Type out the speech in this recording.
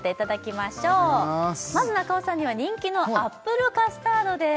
まず中尾さんには人気のアップルカスタードです